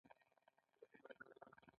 د بانکونو یوه مهمه دنده دلته ذکر کوو